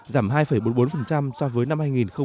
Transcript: giảm hai bốn mươi bốn so với năm hai nghìn một mươi bảy